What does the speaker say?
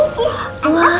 ini buat ancus